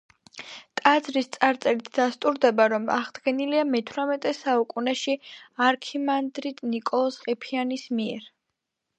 ტაძრის წარწერით დასტურდება, რომ აღდგენილია მეთვრამეტე საუკუნეში არქიმანდრიტ ნიკოლოზ ყიფიანის მიერ.